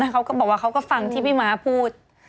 เขาก็บอกว่าเขาก็ฟังที่พี่ม้าพูด